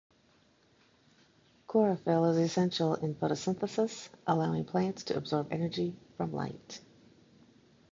Chlorophyll is essential in photosynthesis, allowing plants to absorb energy from light.